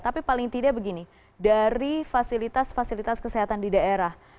tapi paling tidak begini dari fasilitas fasilitas kesehatan di daerah